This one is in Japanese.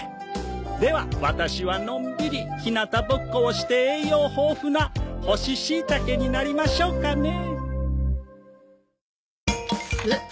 ではワタシはのんびり日なたぼっこをして栄養豊富な干ししいたけになりましょうかね。